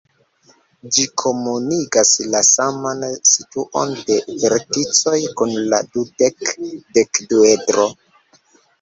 Ĝi komunigas la saman situon de verticoj kun la dudek-dekduedro.